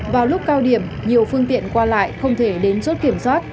vào lúc cao điểm nhiều phương tiện qua lại không thể đến chốt kiểm soát